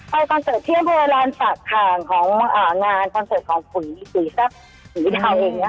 ไปคอนเสิร์ตเที่ยงโภราลศักดิ์ของงานคอนเสิร์ตของขุนอีสีทรัพย์หรือวิดาวเองนะคะ